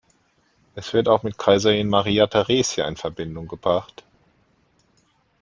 Es wird auch mit Kaiserin Maria Theresia in Verbindung gebracht.